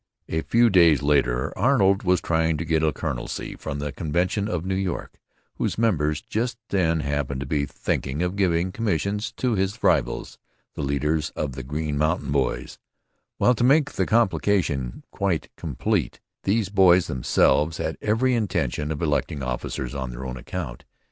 A few days later Arnold was trying to get a colonelcy from the Convention of New York, whose members just then happened to be thinking of giving commissions to his rivals, the leaders of the Green Mountain Boys, while, to make the complication quite complete, these Boys themselves had every intention of electing officers on their own account.